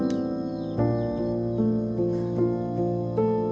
ada panggung y frustrated